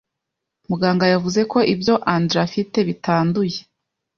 Muganga yavuze ko ibyo Andre afite bitanduye.